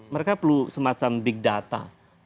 mereka perlu semacam big data